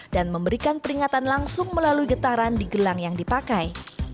dan memberikan peringatan langsung melalui getaran di gelang yang dipakai